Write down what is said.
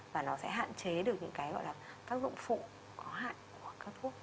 và nó sẽ hạn chế được những tác dụng phụ có hại của các thuốc